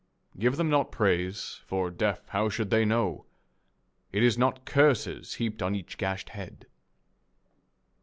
Give them not praise. For, deaf, how should they know It is not curses heaped on each gashed head